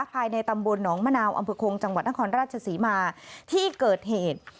ภายในตำบลหนองมะนาวอำเภอคงจังหวัดนครราชศรีมาที่เกิดเหตุ